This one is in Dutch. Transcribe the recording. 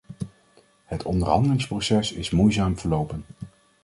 Het onderhandelingsproces is moeizaam verlopen.